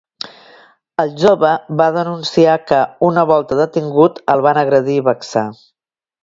El jove va denunciar que, una volta detingut, el van agredir i vexar.